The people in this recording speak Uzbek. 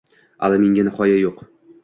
Alamingga nihoya yo’q